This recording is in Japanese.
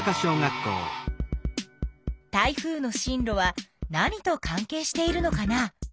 台風の進路は何と関係しているのかな？